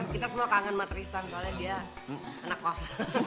kita semua kangen matristan soalnya dia enak kos